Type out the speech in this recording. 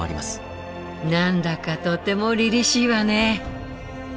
何だかとてもりりしいわね。